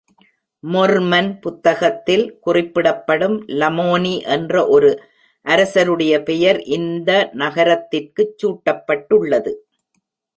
மொர்மன் புத்தகத்தில் குறிப்பிடப்படும் லமோனி என்ற ஓர் அரசருடைய பெயர் இந்த நகரத்துக்குச் சூட்டப்பட்டுள்ளது.